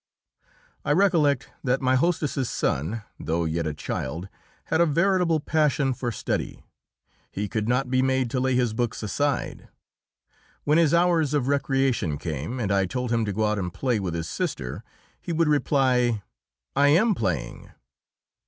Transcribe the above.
I recollect that my hostess's son, though yet a child, had a veritable passion for study. He could not be made to lay his books aside. When his hours of recreation came, and I told him to go out and play with his sister, he would reply, "I am playing."